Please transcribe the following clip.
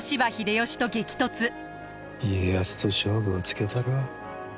家康と勝負をつけたるわ。